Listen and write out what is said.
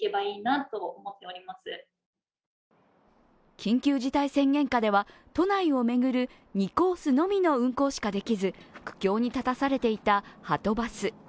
緊急事態宣言下では都内を巡る２コースのみの運行しかできず、苦境に立たされていた、はとバス。